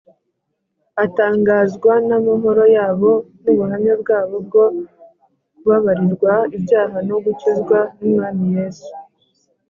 Atangazwa n’amahoro yabo n’ubuhamya bwabo bwo kubabarirwa ibyaha no gukizwa n’Umwami Yesu